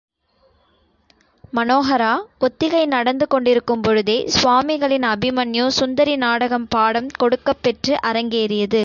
மனோஹரா ஒத்திகை நடந்துகொண்டிருக்கும் பொழுதே சுவாமிகளின் அபிமன்யு சுந்தரி நாடகம் பாடம் கொடுக்கப் பெற்று அரங்கேறியது.